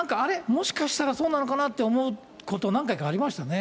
もしかしたらそうなのかなって思うこと、何回かありましたね。